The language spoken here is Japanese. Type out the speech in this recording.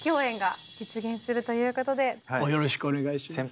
およろしくお願いします。